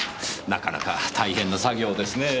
なかなか大変な作業ですねぇ。